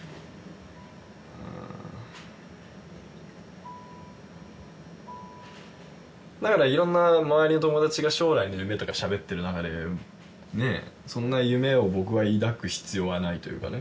うんだからいろんな周りの友達が将来の夢とかしゃべってる中でねぇそんな夢を僕が抱く必要がないというかね